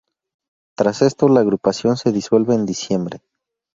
Tras esto, la agrupación se disuelve en diciembre.